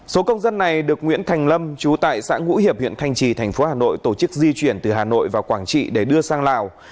số công dân này được nguyễn thành lâm trú tại xã ngũ hiệp huyện thanh trì thành phố hà nội tổ chức di chuyển từ hà nội vào quảng trị để đưa sang lào